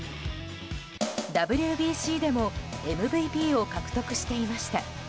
ＷＢＣでもＭＶＰを獲得していました。